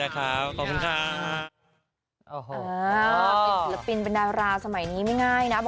ขอบคุณมากครับ